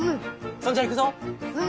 そんじゃいくぞ。